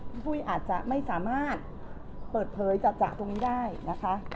คุณปุ้ยอาจจะไม่สามารถเปิดเผยจัดตรงนี้ได้นะคะ